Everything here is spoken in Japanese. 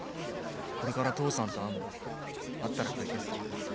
これから父さんと会うんだ会ったら解決する。